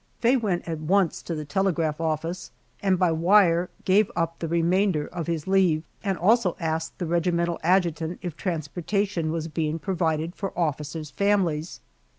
Faye went at once to the telegraph office and by wire gave up the remainder of his leave, and also asked the regimental adjutant if transportation was being provided for officers' families.